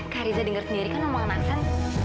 kak riza denger sendiri kan ngomongin aksan